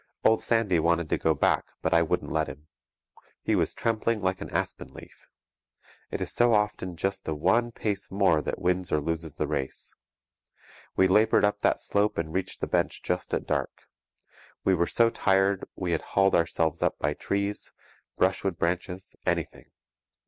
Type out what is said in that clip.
Old Sandy wanted to go back, but I wouldn't let him. He was trembling like an aspen leaf. It is so often just the one pace more that wins or loses the race. We laboured up that slope and reached the bench just at dark. We were so tired we had hauled ourselves up by trees, brushwood branches, anything.